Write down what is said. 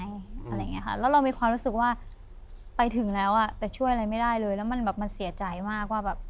อะไรอย่างเงี้ยค่ะแล้วเรามีความรู้สึกว่าไปถึงแล้วอ่ะแต่ช่วยอะไรไม่ได้เลยแล้วมันแบบมันเสียใจมากว่าแบบ